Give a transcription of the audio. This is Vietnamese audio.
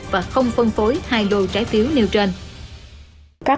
và không phân phối hai đồ trái phiếu nêu trơn